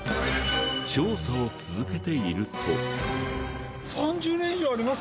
調査を続けていると。